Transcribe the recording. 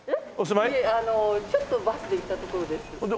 いえあのちょっとバスで行った所です。